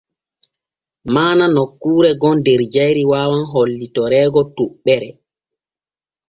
Maana nokkuure gon der jayri waawan hollitoreego toɓɓere.